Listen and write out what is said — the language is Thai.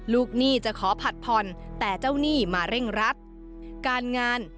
หนี้จะขอผัดผ่อนแต่เจ้าหนี้มาเร่งรัดการงาน